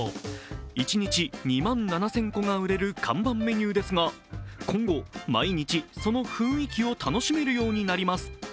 一日２万７０００個が売れる看板メニューですが、今後、毎日その雰囲気を楽しめるようになります。